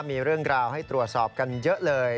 มีเรื่องราวให้ตรวจสอบกันเยอะเลย